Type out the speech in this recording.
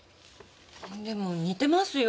でも似てますよ